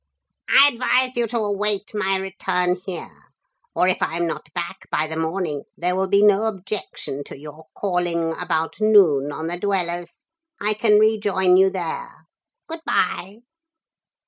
I advise you to await my return here. Or if I am not back by the morning there will be no objection to your calling, about noon, on the Dwellers. I can rejoin you there. Good bye.'